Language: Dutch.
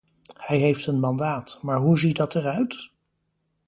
Hij heeft een mandaat, maar hoe ziet dat eruit?